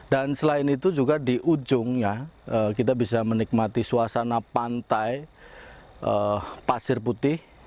dan selain itu juga di ujungnya kita bisa menikmati suasana pantai pasir putih